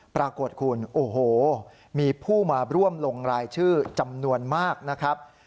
ปรากฏคุณโอ้โหมีผู้มาร่วมลงรายชื่อจำนวนมากนะครับ